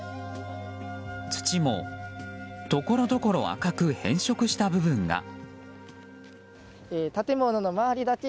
土もところどころ赤く変色した部分が。